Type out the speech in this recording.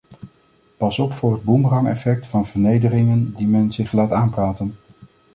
Pas op voor het boemerangeffect van vernederingen die men zich laat aanpraten!